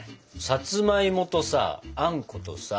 さつまいもとさあんことさ